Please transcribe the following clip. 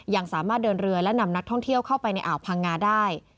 ยังสามารถเดินเรือและนำนักท่องเที่ยวเข้าไปในอ่าวพังงาได้